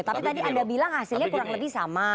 tapi tadi anda bilang hasilnya kurang lebih sama